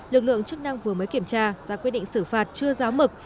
lực lượng chức năng vừa mới kiểm tra ra quyết định xử phạt chưa giáo mực